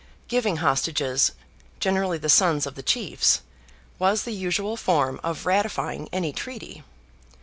Giving hostages—generally the sons of the chiefs—was the usual form of ratifying any treaty.